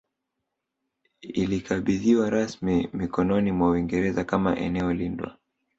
Ilikabidhiwa rasmi mikononi mwa Uingereza kama eneo lindwa